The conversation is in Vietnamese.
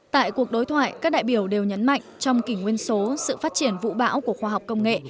tại cuộc đối thoại các đại biểu đều nhấn mạnh trong kỷ nguyên số sự phát triển vũ bão của khoa học công nghệ